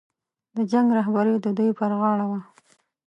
د جنګ رهبري د دوی پر غاړه وه.